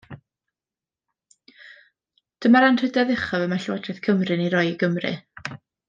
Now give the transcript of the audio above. Dyma'r anrhydedd uchaf y mae Llywodraeth Cymru yn ei roi i Gymry.